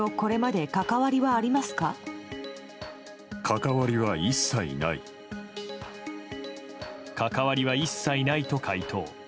関わりは一切ないと回答。